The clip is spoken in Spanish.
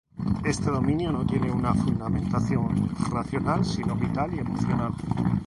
Este dominio no tiene una fundamentación racional sino vital y emocional.